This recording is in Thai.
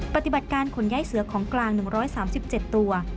ปฏิบัติการขนย้ายเสือของกลาง๑๓๗ตัว